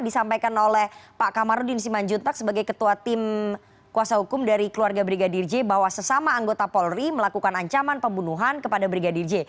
disampaikan oleh pak kamarudin simanjuntak sebagai ketua tim kuasa hukum dari keluarga brigadir j bahwa sesama anggota polri melakukan ancaman pembunuhan kepada brigadir j